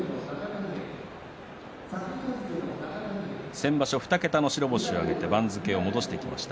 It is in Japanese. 先場所２桁の白星を挙げて番付を上げています。